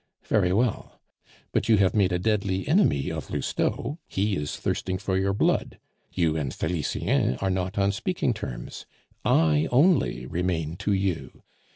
Very well. But you have made a deadly enemy of Lousteau; he is thirsting for your blood. You and Felicien are not on speaking terms. I only remain to you.